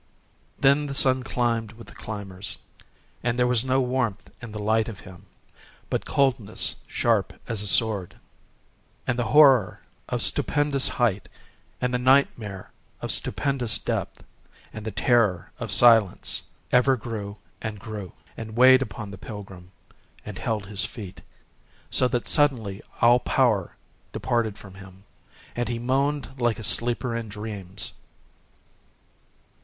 Then the sun climbed with the climbers; and there was no warmth in the light of him, but coldness sharp as a sword. And the horror of stupendous height, and the nightmare of stupendous depth, and the terror of silence, ever grew and grew, and weighed upon the pilgrim, and held his feet,—so that suddenly all power departed from him, and he moaned like a sleeper in dreams.